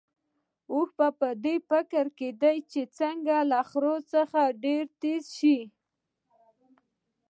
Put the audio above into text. اوښ په دې فکر کې دی چې څنګه له خره څخه ډېر تېز شي.